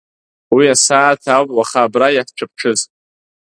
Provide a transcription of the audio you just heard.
Уи асааҭ ауп уаха абра иаҳцәыԥҽыз…